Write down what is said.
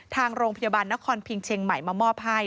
ทางโรงพยาบาลนครพิงเชียงใหม่มามอบให้